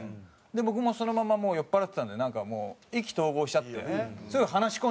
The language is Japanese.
僕もそのままもう酔っ払ってたんでなんかもう意気投合しちゃってすごい話し込んじゃって。